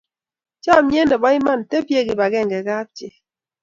Chomyet nebo iman, tebyei Kibagenge kapchi